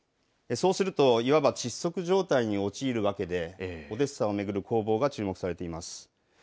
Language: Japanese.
そうすると、いわば窒息状態に陥るわけで、オデッサを巡る攻防が注目されています。